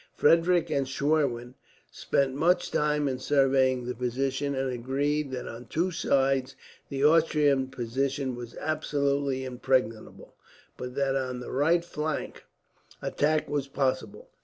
Frederick and Schwerin spent much time in surveying the position, and agreed that on two sides the Austrian position was absolutely impregnable; but that on the right flank, attack was possible.